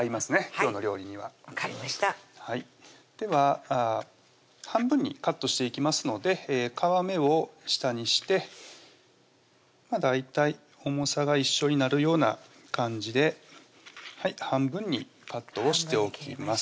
今日の料理には分かりましたでは半分にカットしていきますので皮目を下にして大体重さが一緒になるような感じで半分にカットをしておきます